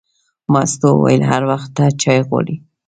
مستو وویل: هر وخت ته چای غواړې.